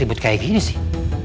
ribut kayak gini sih